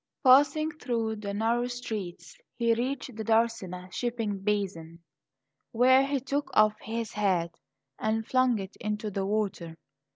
Passing through the narrow streets he reached the Darsena shipping basin, where he took off his hat and flung it into the water.